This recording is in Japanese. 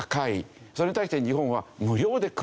それに対して日本は無料で配られている。